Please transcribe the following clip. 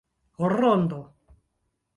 rondo